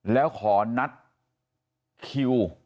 แล้วขอนัดคิว